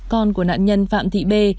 con của nạn nhân phạm thị bê